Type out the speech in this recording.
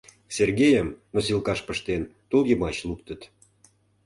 Сергейым, носилкаш пыштен, тул йымач луктыт.